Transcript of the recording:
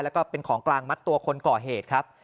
แล้วก็เป็นของกลางมัดตัวคนก่อเหตุครับ